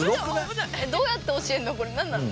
どうやって教えるの？